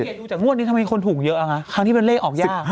ดูจากงวดนี้ทำไมคนถูกเยอะอะคะครั้งนี้เป็นเลขออกยาก